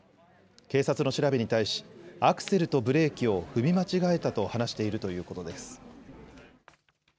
警察の調べに対し、アクセルとブレーキを踏み間違えたと話しているということです。